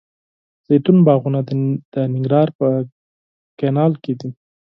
زیتون باغونه د ننګرهار په کانال کې دي.